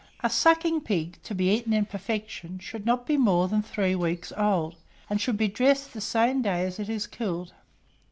A sucking pig, to be eaten in perfection, should not be more than three weeks old, and should be dressed the same day that it is killed.